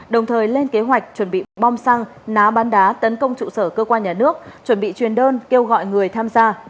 đồng thời lên kế hoạch chuẩn bị bom xăng ná ban đá tấn công trụ sở cơ quan nhà nước chuẩn bị truyền đơn kêu gọi người tham gia